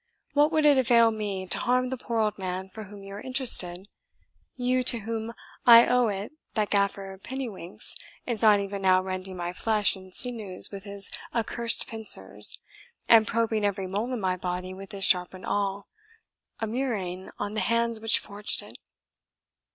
"What would it avail me to harm the poor old man for whom you are interested? you, to whom I owe it that Gaffer Pinniewinks is not even now rending my flesh and sinews with his accursed pincers, and probing every mole in my body with his sharpened awl (a murrain on the hands which forged it!)